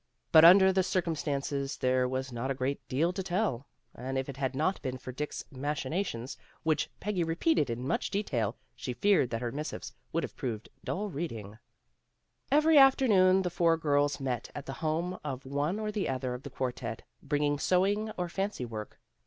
But under the circum stances there was not a great deal to tell, and if it had not been for Dick 's machinations, which Peggy repeated in much detail, she feared that her missives would have proved dull reading. 120 PEGGY RAYMOND'S WAY Every afternoon the four girls met at the home of one or the other of the quartette, bringing sewing or fancy work.